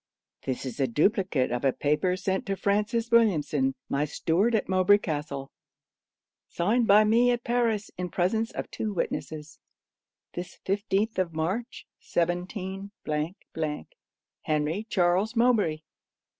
'(This is a duplicate of a paper sent to Francis Williamson, my steward at Mowbray Castle.) Signed by me at Paris in presence of two witnesses, this fifteenth of March 17 . HENRY CHARLES MOWBRAY.